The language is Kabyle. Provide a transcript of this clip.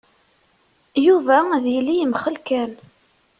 Yuba ad yili yemxell kan!